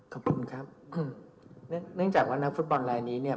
ขอบคุณครับเนื่องจากว่านักฟุตบอลลายนี้เนี่ย